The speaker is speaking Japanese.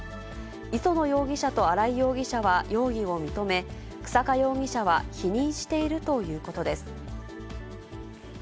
磯野容疑者と新井容疑者は容疑を認め、日下容疑者は否認しているということです。